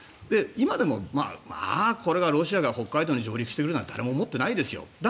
今でも、まあこれがロシアが北海道に上陸してくるなんて誰も思ってないですよ。